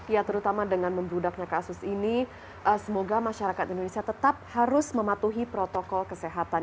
ya terutama dengan membludaknya kasus ini semoga masyarakat indonesia tetap harus mematuhi protokol kesehatan